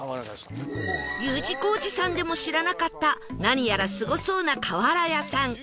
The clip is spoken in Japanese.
Ｕ 字工事さんでも知らなかった何やらすごそうな瓦屋さん